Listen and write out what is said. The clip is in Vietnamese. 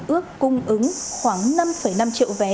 ước cung ứng khoảng năm năm triệu vé